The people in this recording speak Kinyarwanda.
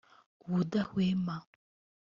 ubudahwema